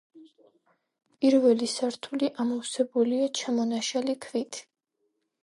პირველი სართული ამოვსებულია ჩამონაშალი ქვით.